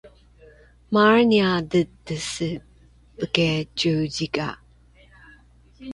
Mrania tɨtɨsɨ pké ziuzika!